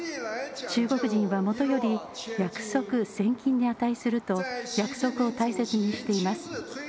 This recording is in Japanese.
中国人はもとより約束、千金に値すると約束を大切にしています。